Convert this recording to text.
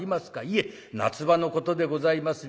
『いえ夏場のことでございます。